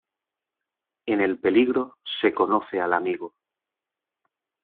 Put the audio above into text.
En el peligro, se conoce al amigo.